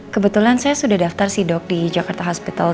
kebetulan saya sudah daftar sih dok di jakarta hospital